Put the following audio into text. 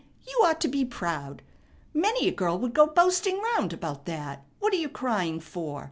You ought to be proud. Many a girl would go boasting round about that. What are you crying for?